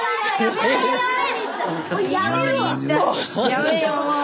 やめよもう。